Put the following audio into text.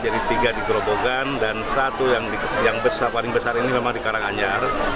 jadi tiga di gerobogan dan satu yang paling besar ini memang di karanganyar